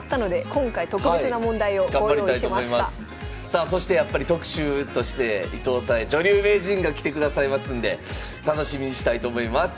さあそしてやっぱり特集として伊藤沙恵女流名人が来てくださいますんで楽しみにしたいと思います。